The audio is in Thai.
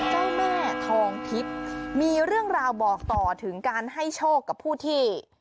เจ้าแม่ทองทิพย์มีเรื่องราวบอกต่อถึงการให้โชคกับผู้ที่